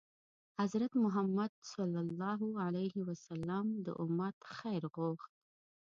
حضرت محمد ﷺ د امت خیر غوښت.